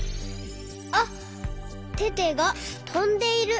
あっテテがとんでいる。